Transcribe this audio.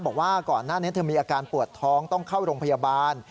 บอกว่าก่อนหน้านี้เธอมีอาการปวดท้องต้องเข้าโรงพยาบาล